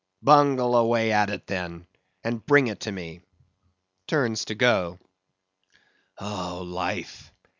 Bungle away at it then, and bring it to me (turns to go). Oh, Life!